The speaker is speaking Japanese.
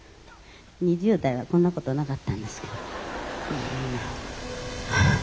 ２０代はこんな事なかったんですけど」。